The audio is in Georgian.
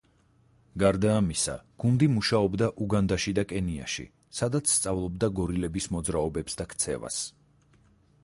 გარდა ამისა, გუნდი მუშაობდა უგანდაში და კენიაში, სადაც სწავლობდა გორილების მოძრაობებს და ქცევას.